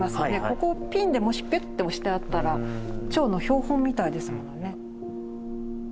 ここをピンでもしピッて押してあったらチョウの標本みたいですものね。